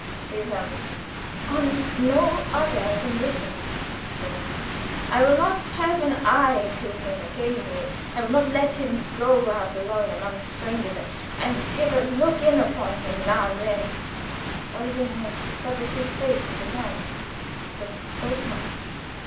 "Friedhelm " "On no other condition," said I. "I will not 'have an eye' to him occasionally. I will not let him go out alone among strangers, and give a look in upon him now and then." Eugen had covered his face with his hands, but spoke not.